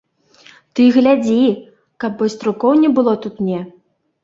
Ты глядзі, каб байструкоў не было тут мне.